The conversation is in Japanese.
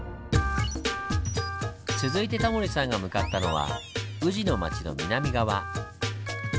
続いてタモリさんが向かったのは宇治の町の南側。